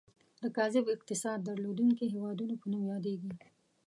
د کاذب اقتصاد درلودونکي هیوادونو په نوم یادیږي.